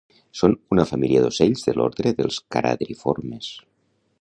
Són una família d'ocells de l'ordre dels caradriformes